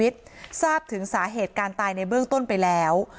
ทราบถึงสาเหตุการตายในเบื้องต้นไปแล้ว